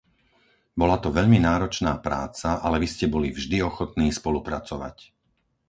Bola to veľmi náročná práca, ale vy ste boli vždy ochotný spolupracovať.